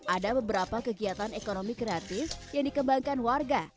ada beberapa kegiatan ekonomi gratis yang dikembangkan warga